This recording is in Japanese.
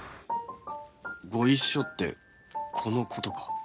ご一緒ってこの事か